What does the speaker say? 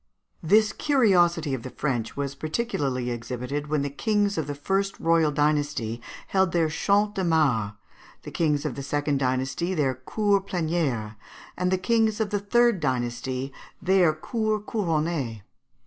] This curiosity of the French was particularly exhibited when the kings of the first royal dynasty held their Champs de Mars, the kings of the second dynasty their Cours Plenières, and the kings of the third dynasty their _Cours Couronnées.